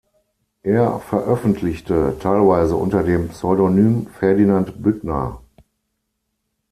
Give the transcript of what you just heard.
Er veröffentlichte teilweise unter dem Pseudonym "Ferdinand Büttner".